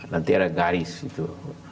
nanti ada garis gitu